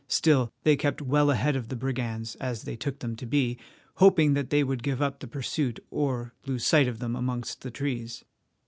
Still they kept well ahead of the brigands, as they took them to be, hoping that they would give up the pursuit or lose sight of them amongst the trees.